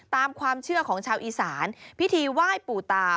ตามความเชื่อของชาวอีสานพิธีไหว้ปู่ตา